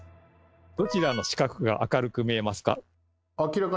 どちらの四角が明るく見えますか？